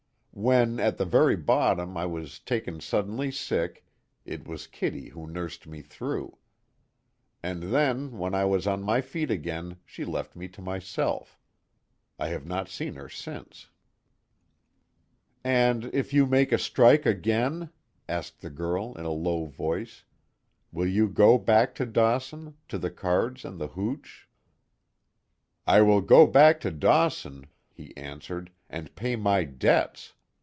"When, at the very bottom, I was taken suddenly sick, it was Kitty who nursed me through. And then, when I was on my feet again she left me to myself. I have not seen her since." "And, if you make a strike again," asked the girl in a low voice, "Will you go back to Dawson to the cards and the hooch?" "I will go back to Dawson," he answered, "And pay my debts.